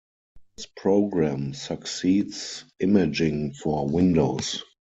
This program succeeds Imaging for Windows.